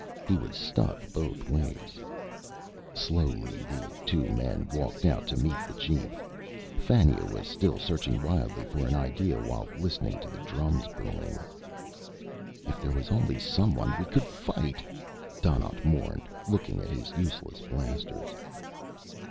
He was stuck both ways. Slowly, the two men walked out to meet the chief. Fannia was still searching wildly for an idea while listening to the drums booming. "If there was only someone we could fight," Donnaught mourned, looking at his useless blasters.